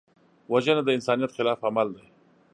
وژنه د انسانیت خلاف عمل دی